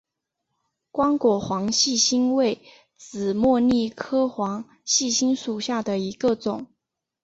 光果黄细心为紫茉莉科黄细心属下的一个种。